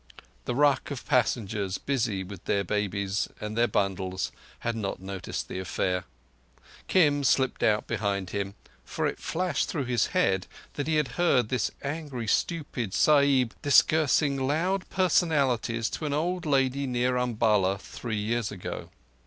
The ruck of passengers, busy, with their babies and their bundles, had not noticed the affair. Kim slipped out behind him; for it flashed through his head that he had heard this angry, stupid Sahib discoursing loud personalities to an old lady near Umballa three years ago.